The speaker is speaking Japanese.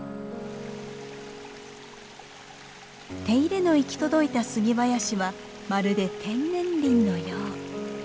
手入れの行き届いた杉林はまるで天然林のよう。